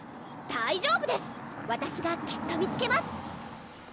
大丈夫ですわたしがきっと見つけます